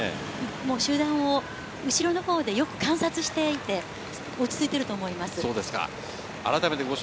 集団を後ろのほうでよく観察していて落ち着いていると思います。